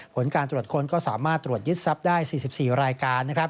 ผลการตรวจค้นก็สามารถตรวจยึดทรัพย์ได้๔๔รายการนะครับ